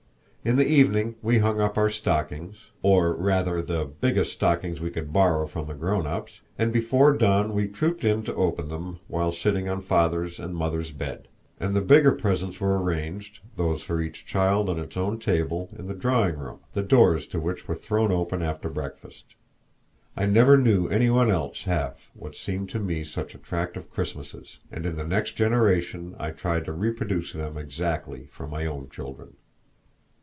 In the evening we hung up our stockings or rather the biggest stockings we could borrow from the grown ups and before dawn we trooped in to open them while sitting on father's and mother's bed; and the bigger presents were arranged, those for each child on its own table, in the drawing room, the doors to which were thrown open after breakfast. I never knew any one else have what seemed to me such attractive Christmases, and in the next generation I tried to reproduce them exactly for my own children.